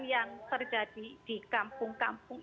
yang terjadi di kampung kampung